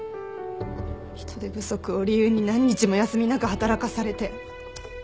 人手不足を理由に何日も休みなく働かされて。